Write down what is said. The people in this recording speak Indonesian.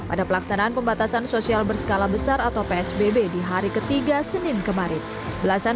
ada pelaksanaan pembatasan sosial berskala besar atau psbb di hari ketiga senin kemarin belasan